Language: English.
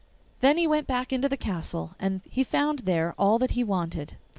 Then he went back into the castle, and he found there all that he wanted.